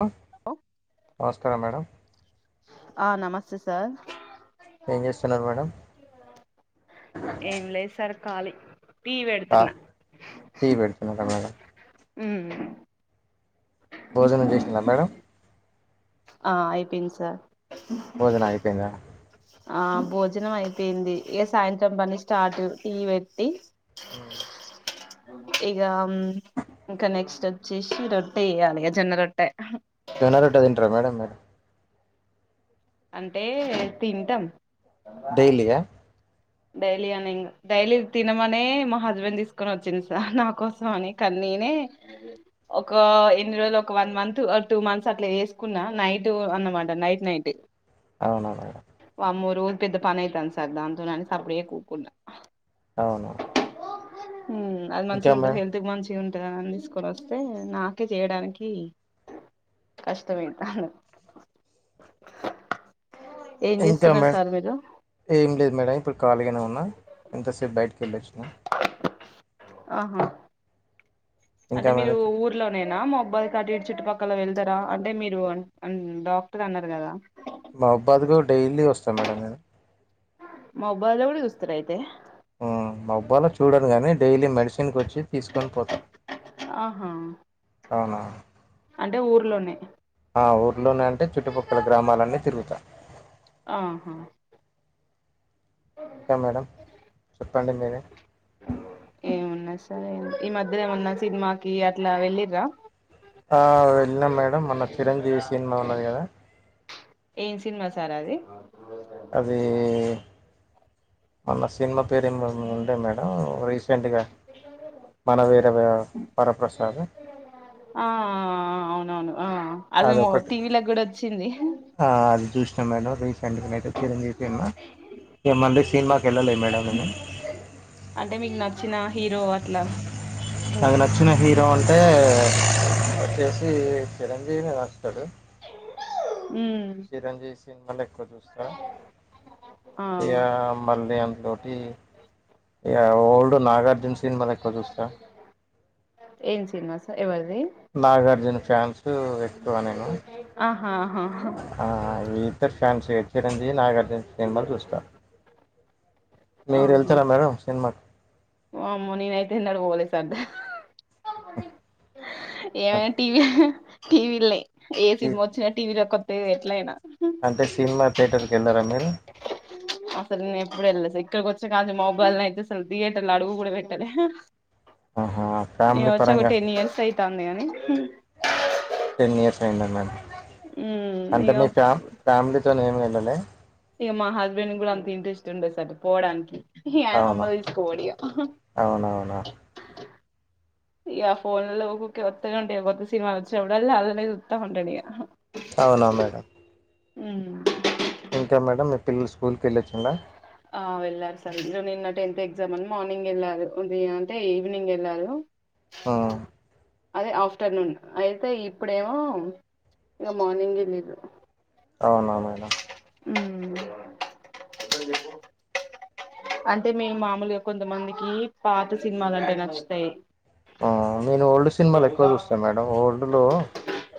Who hello నమస్కారం madam ఆ నమస్తే సార్ ఏం చేస్తున్నారు మేడం ఏం లేద్ సర్ కాల కా టీ పెడుతున్నార మేడం హుమ్ భోజనం చేసందా మేడం ఆ అయిపోయింది సార్ భోజనం అయిపోయిందా ఆ భోజనం అయిపోయింది ఇక సాయంత్రం పని స్టార్ట్ టీ పెట్టి ఆ ఇక ఇంకా నెక్స్ట్ వచ్చేసి రొట్టె వేయ్యాలి జొన్న రొట్టె జొన్న రొట్టె తింటరా మేడం మీరు. అంటే తింటాం. క డైలీయా డైలీ అని ఎంకాదు. డైలీ తినమనే మా హస్బెండ్ తీసుకొని వచ్చిండు సార్ నా కోసం అని కానీ నేనే ఒక ఎన్ని రోజులు ఒక వన్ మంత్ టూ మంత్స్ అట్లా చేసుకున్నా నైట్ అన్నమాట నైట్ నైట్. అవునా మేడం వామ్మో రోజు పెద్ద పని అయితంది సార్ దాంతోని అని సప్పుడేక ఊకూన్న. అవును. హ్ అది మంచిగా ఉంటది, హెల్త్ మంచిగా తింటదని తీసుకొని వస్తే నాకే చేయడానికి కష్టం అయితాంది. ఇంకా మే ఏం లేదు మేడం. ఇప్పుడు కాలిగనే ఉన్నా ఇంతసేపు బయటకి వెళ్ళొచ్చినా. ఆహా అంటే ఇంకా మీరు మేడం ఊ ఊర్లోనే నా మహబూబబాద్ కి అటి ఇటు చుట్టుపక్కల వెళ్తారా, అంటే మీరు డాక్టర్ అన్నరు కదా. మహబూబ్బాద్ కూడా డైలీ వస్తాను మేడం నేను. మొబైల్ లో కూడ చూస్తర అయితే. ఆ మొబైల్లో చూడను గాని డైలీ మెడిసిన్కి వచ్చి తీసుకొని పోతా. ఆహా అవునా అంటే ఊర్లోనే ఆ ఊర్లోనే అంటే చుట్టుపక్కల గ్రామాలన్నీ తిరుగుతా. ఆహా ఇంకా మేడం చెప్పండి మీరే. సరే ఈ మధ్య ఎమన్నా సినిమాకిి అట్లా వెళ్ళిర్రా. హా వెళ్ళినాం మేడం మొన్న చిరంజీవి సినిమా ఉన్నది కదా ఏం సినిమా సార్ అది. మన సినిమా పేరు ఏ ఉండే మేడం రీసెం సెంట్గా మన వీరవ వరప్రసాద్ ఆ ఆ అవునవును ఆ అదేమో అదొకటి. టీవీలకి కూడా వచ్చింది. న మేడం రీసెంట్గా అయితే చిరంజీవి సినిమా ఇగ మళ్ళీ సినిమాకి వెళ్ళలే మేడం నేను. అంటే మీకు నచ్చిన హీరో అట్లా నాకు నచ్చిన హి రో అంటే వచ్చేసి చిరం జీవినే వస్తడు. ఉ సినిమా లే ఎక్కువ చూస్తా ఆ ఇగా మల్లీ అంతోటీ యా ఆ ఓల్డ్ నాగార్జున సి సినిమాలు ఎక్కువ చూస్తా ఎం సినిమా స ఎవరి నాగార్జున ఫ్యాన్స్ ఎక్కువ నేను ఆహా ఆహా ఆ ఫాన్స్ ఏ చిరంజవి నాగార్జున సినిమాలు చూస్తా మీరు ఆహా వెళ్తారా మేడం సినిమాకి వామ్మో నేను అయితే ఎన్నడూ పోలె సద ఏమ ఆ! టీవ టీవీల్లే ఏ ఈ సినిమా వచ్చిన టీవీ ర కొ ఎట్లా అయినా తిన్నారా మీరు అసలు నేను ఎప్పుడు వెళ్ళలే ఇక్కడికి వచ్చే కా నుంచి మొబైల్ న అయితే అసలు థియేటర్లు అడుగు కూడా పెట్టలె ఆహా ఫ్యామిలీ పరంగా ఉంది కానీ టెన్ ఇయర్స్ అయిందా మ ఉమ్ అంటే ఇగ మీ ఫ్యా ఫ్యామిలీతోోనే ఏమి వె డాల్లెంగ్ ఇక మా హస్బెండ్ కూడా అంత ఇంట్రెస్ట్ ఉండదు సార్ పోవడానికి ఈ హా అవునా మమ్మల్ని తీస్కొని పోదు ఇగ అవునవునా యా ఫో ఒత్తనే ఉంటే కొత్త సినిమా వచ్చినపుడులా అవే చూస్తానే ఉంటాడుమల్ల అవునా మేడం హ్మ్ ఇంకా మేడంమ్ మీ పిల్లలు స్కూల్కి వెళ్ళొచ్చిందా ఆ వెళ్లారు సార్ [inaudible] నిన్న టెన్త్ ఎ మని మార్నింగ్ వెళ్ళారు అంటే ఈవినింగ్ వెళ్ళారు ఆ అదే ఆఫ్టర్నూన్ అయితే ఇప్పుడేమో ఇక మార్నింగ్ లేదు అవునా మేడం అంటే మే మామూలుగా కొంతమందికి పాత సినిమలు అంటే నచ్చుతాయి నేను ఓల్డ్ సినిమాలు ఎక్కువ చూస్తాను మేడం ఓల్డ్ లో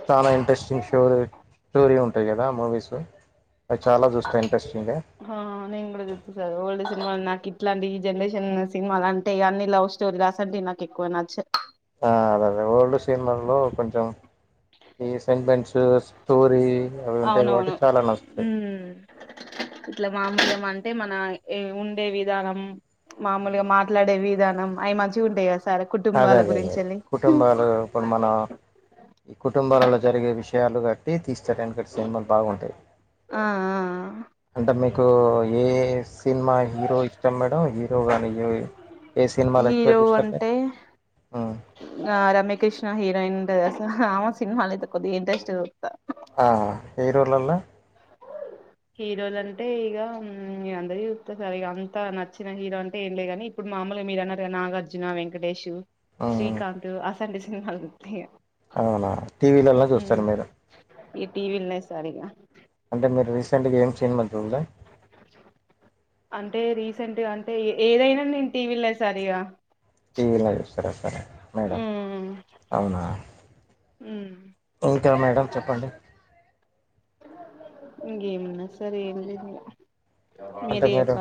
చాలా ఇంట్రెస్టింగ్ స్టోరీ స్టోరీ ఉంటాయి కదా మూవీస్ అవి చాలా చూస్తాను ఇంట్రెస్టింగ్గా ఆ నేను కూడా చూస్తా సారూ ఓల్డ్ సినిమా నాకు ఇట్లాంటి ఈ జనరేషన్ సినిమాలు అంటే అన్ని లవ్ స్టోరీలు అస అంటివి నాకు ఎక్కువ నచ్చదు ఆ అదే అదే ఓల్డ్ సినిమాల్లో కొంచెం ఈ సెంటెన్స్ స్టోరీ అవి ఉంటాయి కాబట్టి అవునవును చాలా నచ్చుతాయ్ ఉమ్ ఇట్లా మాంసం అంటే మన ఏ ఉండే విధానం మామూలుగా మాట్లాడే విధా మేమ్ అయ్ మంచి గుంటై గ అదే అదే అదే కుటుంబాలు ఇప్పుడు మన కుటుంబాలలో జరిగే విష్ విషయాలు కట్టి తీస్తారానుకే సినిమాలు బాగుంటాయి ఆ అంటే మీకు ఏ సినిమా హీరో ఇష్టం మేడం ఈ యో గా ని యోయి హీరో అంటే హ్మ్. ఆ రమ్య కృష్ణ హీరోయిన్ తెల్సా ఆమె సినిమాలైతే కొద్దిగా ఇంట్రెస్ట్ చుతా ఆ ఎరుర్లొల్లా హీరోలు అంటే ఇగ అందరివి చూస్తా సార్ ఇగ అంత నచ్చిన హీరో అంటే ఏం లే గాని ఇప్పుడు మామూలుగా మీరన్నారుకదా నాగార్జున వెంకటేషూ హ్మ్. శ్రీకాంతు సన్డేస్ హాల్ వుడ్ బి అవునా టీవీలలో చూస్తారు మీరు ఈ టీవీలున్నాయి సార్ ఇంకా అంటే మీరు రీసెంట్గా ఏం చేంజ్ మదు ఉందా అంటే రీసెంట్గా అంటే ఎ ఏదైనా నేను టీవీలే సార్ ఇగా టీవీల చూస్తారా సరే మేడం అవునా ఇంకా మేడం చెప్పండి ఇంకేమున్నాది సార్ ఏం లేదు ఇగ అంటే మీరు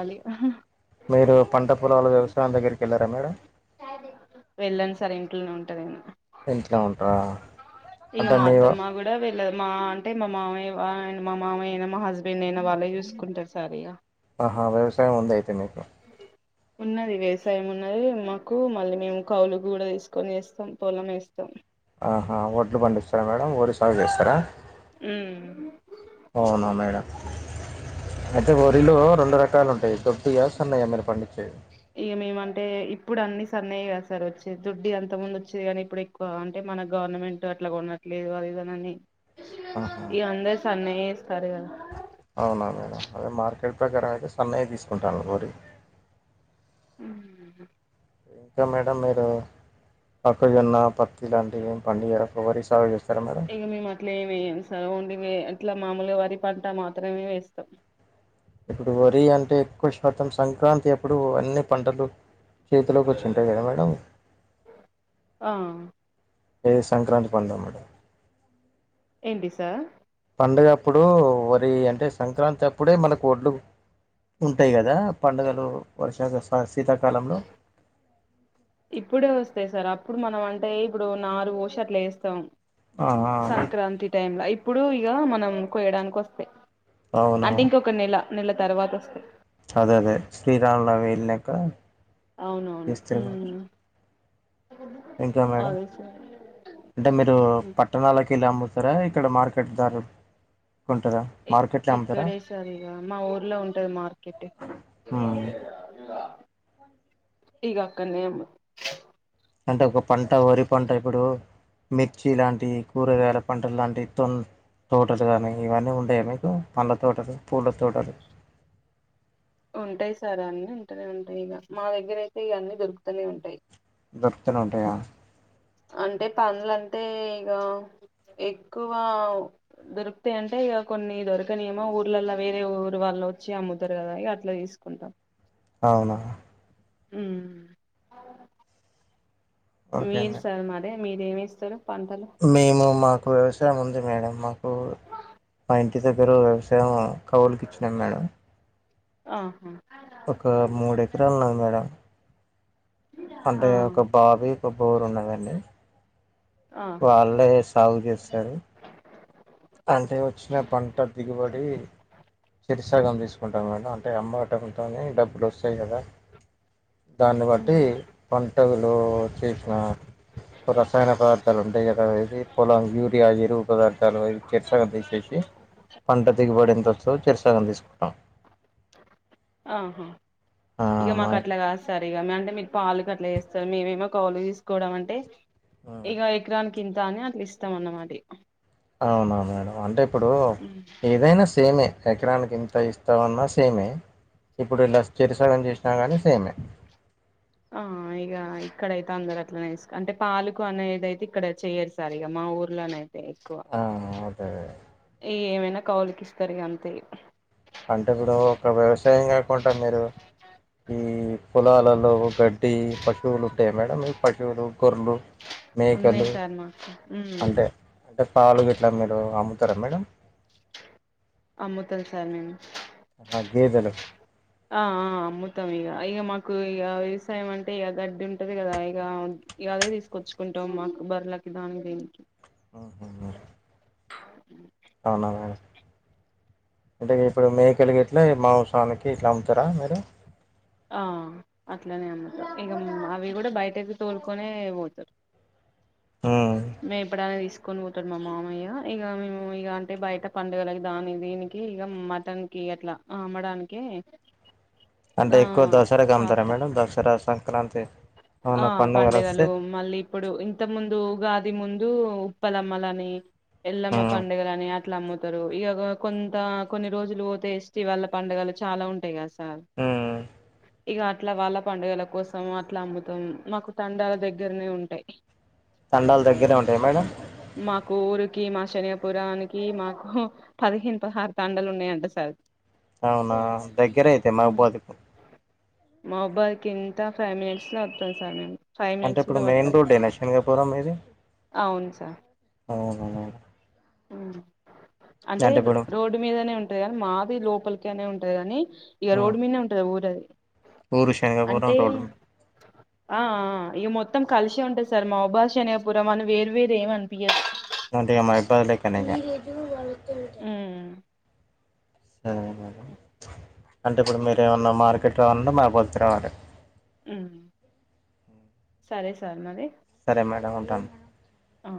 మీరు పంట పొలాల వ్యవసాయం దగ్గరికి వెళ్ళారా మేడం వెళ్ళన్ సార్ ఇంట్లోనే ఉంట నేను ఇంట్లో ఉంటరా ఇగ మాత్తమ్మా కూడా వెళ్ళ మా అంటే మా మావయ్య వా మా మావయ్య అయినా మా హస్బెండ్ అయినా వాళ్ళే చూసుకుంటారు సార్ ఇగ ఆ వ్యవసాయం ఉంది అయితే మీకు ఉన్నది వ్యవసాయం ఉన్నదీ మాకు మళ్ళీ మేము కౌలు కూడా తీసుకొని వేస్తాం పొలం వేస్తాం ఆహ వడ్లు పండిస్తారా మేడం వరి సాగు చేస్తారా అవునా మేడం అయితే బరిలో రొ రెండు రకాలు ఉంటాయి దొడ్బయా సన్నయా మీరు పండించేయి ఇక మేమంటే ఇప్పుడు అన్ని సన్నయే కద సార్ వచ్చేది దుడ్డి అంత ముందు వచ్చేది కాని ఇప్పుడు ఎక్కువ అంటే మన గవర్నమెంట్ అట్లా కొనట్లేదు అదిదనని ఆహా ఇగ అందరి సన్నయి ఏస్తరు గా అవునా మేడం మీ అదే మార్కెట్ ప్రకారం అయితే సన్నయి తీసుకుంటాన్లు వరి ఇంకా మేడం మీరు మొక్కజొన్న పత్తి లాంటివి ఎం పండియ్యారా ఒక వరి సాగు చేస్తర ఇగా మేము అట్లా ఏం ఏయ్యాము సార్ ఓన్లీ ఇవ్వే ఆట్ల ట్ల మామూలుగా వరి పంట మాత్రమే వేస్తాం ఇప్పుడు వరి అంటే ఎక్కువ శాతం సంక్రాంతి ఆప్పుడు అన్ని పంటలు చేతిలోకి వోచ్చుంటాయి కదా మేడమ్ ఆ ఏ సంక్రాంతి పండగ మేడం ఏంటి సార్ పండుగ అప్పుడు వరి అంటే సంక్రాంతి అప్పుడే మనకు వోడ్లు ఉంటాయి. కదా పండుగలు వర్షలు అస్ ఇప్పుడే వస్తాయి సార్ అప్ ఇప్పుడు మనం అంటే ఇప్పుడు నారు వోషి అట్లా ఏస్తాం ఆ సంక్రాంతి టైమ్ ల ఇప్ ఇప్పుడు ఇగా మనం కోయడానికి వస్తయి అవునా అంటే ఇంకొక నెల కొన్ని ఏళ్ల తర్వాత వస్తాయి అదే అదే శ్రీ రామ నవమి లెక్క అవునవును ఉ ఇంకా మేడం అంటే మీరు పట్టణాలకి వెల్లి అమ్ముత్ న్నర ఇక్కడ మార్కెట్ ద్వారా ఈ ఇక్కడే సర్ ఇగా మా ఊర్లో ఉంటాది. మార్కెట్ లేదు ఇగ అక్కన్నే అమ్ము అంటే ఒక పంట, వరి పంట, ఇప్పుడు మిర్చి లాంటివి కూరగాయల పంటలు లాంటి తొన్ తోటలు కానీ ఇవన్నీ ఉండయి మీకు, పండ్ళ తోటలు పూల తోటలు ఉంటాయి. సార్ అన్ని ఉంటునే ఉంటాయి ఇగా మా దగ్గర అయితే ఇయాన్నీ దొరుకుతూనే ఉంటాయి. దక్త్తణ అండయా అంటే పన్లంటే ఇక ఎక్కువ దొరికుతా అంటే ఇక కొన్ని దొరకనియేమో ఊర్లలో వేరే ఊరు వాళ్ళు వచ్చి అమ్ముతరు కదా అట్లా తీసుకుంటాం అవునా ఉ ఓకే మీర్ మేడం సార్ మరి మీరేమి ఇస్తారు మేము మాక్ వ్యవసాయం ఉంది మేడం మాకు మా ఇంటి దగ్గర వ్యవసాయం కవులుకి ఇచ్చినాం మేడం ఆహా ఒక మూడు ఎకరాలు ఉన్నాది మేడం అంటే ఆ ఒక బావి ఒక బోరు ఉన్నవీ అండి ఆహా వాళ్ళే సాగు చేస్తారు అంటే వచ్చిన పంట దిగుబడి చెరి సగం తీసుకుంటాం మేడం అం అమ్మటంతోని డబ్బులు వస్తాయి కదా దాన్ని బట్టి ఉమ్ ప అటవులో చేసిన రసాయన పదార్థాలు ఉంటాయి కదా ఇది పొలం యూరియా ఎరువు పదార్థాలు చెరుసగం తీసేసి పంట దిగుబడింత వ చెరుసగం తీసుకుంటాం ఆహా ఆ, ఇగా మా మాకు ఇంటి అట్లా గాదు సర్ ఇక మా అంటే మీ పలుకట్ల చేస్తారు మేమేమో కౌలు తీసుకోవడం అంటే ఉమ్. ఏక ఎకరాన్కి కింత అని అట్లా ఇస్తాం అన్న మరి అవునా మేడం అంటే ఇప్పుడు ఏదైనా సేమే ఎకరానికి ఇంత ఇస్తా మాన్న సేమే ఇప్పుడు ఇలా స్రసలం చేసినా కానీ సేమే ఆ ఇక ఇక్కడైతే అందరు అట్లనే అంటే, పాలకు అనేది అయితే ఇక్కడ చేయరు సార్ ఇక మా ఊర్లోనే ఎక్కువ ఆ, అదే ఈ ఏమైనా కౌలికి ఇస్తారు గంతే అంటే ఇప్పుడు ఒక వ్యవసాయం కాకుండా మీరు ఈ పోలాలలో గడ్డి పషూ పశువులు ఉంటాయి మేడం పశువులు గొర్రలు ఉన్నాయి మేకలు సార్ మాకు ఉమ్ అంటే అంటే పాలు గిట్లా మీరు అమ్ము తార మేడం అమ్ముతలు సార్ నేను అగే తెల ఆ ఆ అమ్ముతాం ఇక, ఇక మాకు ఇక వ్యవసాయం అంటే ఇక గడ్డి ఉంటది కదా, ఇక ఇ అదే తీసుకొచ్చుకుంటాం, మాకు బర్లకి దానికి దేనికి మ్మ్, మ్మ్. అవునా మే అంటే ఇప్పుడు మేకలు గిట్ల న మాస్ పనికి ఇట్లా అముతారా మెడం ఆ అట్లనే అమ్ముతం ఇగ మేము అవి కూడా బయటకి తోలుకొనే పోతారు మ్మ్. మేము ఇప్పుడ తీస్ కొని పోతాడు మా మామయ్య, ఇక మేము ఇక అంటే బయట పండుగలకి దాని దీనికి ఇక మటన్ క అట్లా అమ్మడానికి అంటే ఆ ఎక్కువ దసరా కమ్తారా సాకుతాం మేడం దసరా కాని అంతే ఆ పండగలు మళ్ళీ ఇప్పుడు ఇంత ముందు ఉగాది ముం ఉ ఉప్పలమ్మలని ఎలమ్మా మ్మ్, పండుగ అని అట్లా అమ్మతారు ఇగా కో కొంత కొన్ని రోజులు పోతే ఎస్టి వాళ్ళ పండగలు చాలా ఉంటాయి కద స మ్ ఇక అట్లా వాళ్ళ పండుగల కోసం అట్లా అమ్ము మొత్తం మాకు తండాల దగ్గరనే ఉంటాయి తండలు దగ్గరే ఉంటాయ మేడం కీ మా శనియాపురానికి మాకు పదిహేను, పదహారు తాండలు ఉన్నాయంట, సార్ అవునా దగ్గరైతే మభోధకు మాబ్బాద్ కింత ఫైవ్ మినిట్స్ లో తెల్సా నేను అంటే ఇప్పుడు మెయిన్ రోడ్డు ఏనా శనగాపురం మీది అవును సార్ అవును, అవున అంటే రోడ్డు మీదనే ఉంటది కానీ మాది లోపలికి ఇగ నేను ఉంటా కాని ఈక మ్మ్. రోడ్ మీనే ఉంటది ఊరది ఊరు శనగపురం అంటే రోడ్డు ఆ ఆ ఇగ మొ త్తం కలిషే వుంటది. సార్ మాబ్బాష అనేపురం అని వేర్ వేరు ఏమి అని పియద్ అంటిగా మైబాదులే కనే ఇగ తెంట ఉమ్ సరేలేండి మేడం ప్చ్ అంటే ఇప్పుడు మీరు ఏమన్నా, మార్కెట్ రావాల్నటే మా గుత్తురావాట్ హ్మ్మ్ సరే సార్ మరే సరే మేడం ఉంటాను ఆ